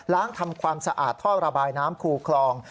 ทำความสะอาดท่อระบายน้ำคูคลอง